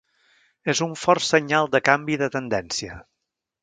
És un fort senyal de canvi de tendència.